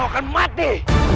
kau akan mati